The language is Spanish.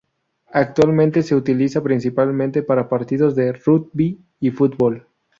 Actualmente se utiliza principalmente para partidos de rugby y fútbol.